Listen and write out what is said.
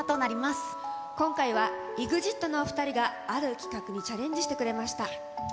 今回はＥＸＩＴのお２人が、ある企画にチャレンジしてくれました。